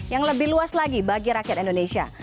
yang lebih luas lagi bagi rakyat indonesia